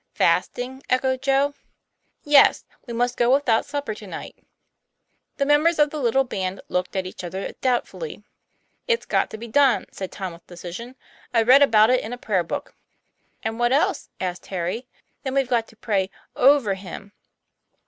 "Fasting?" echoed Joe. "Yes; w r e must go without supper to night." The members of the little band looked at each other doubtfully. "It's got to be done," said Tom, with decision. " I read about it in a prayer book." " And what else ?" asked Harry. "Then we've got to pray over him."